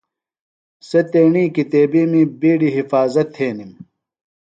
سےۡ تیݨی کِتیبِیمی بِیڈیۡ حِفاظت تھینِم۔